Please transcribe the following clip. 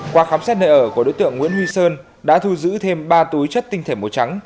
qua khám xét nơi ở của đối tượng nguyễn huy sơn đã thu giữ thêm ba túi chất tinh thể màu trắng